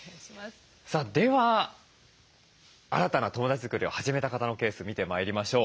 では新たな友だち作りを始めた方のケース見てまいりましょう。